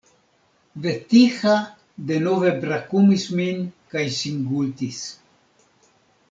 Vetiha denove brakumis min kaj singultis.